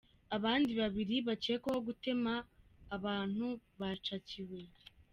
Abandi babiri bakekwaho gutema abantu bacakiwe